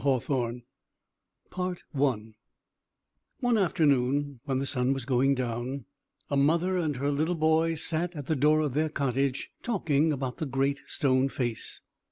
VI THE GREAT STONE FACE One afternoon, when the sun was going down, a mother and her little boy sat at the door of their cottage, talking about the Great Stone Face.